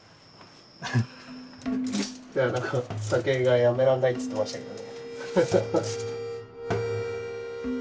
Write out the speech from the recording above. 酒がやめられないっつってましたけどね。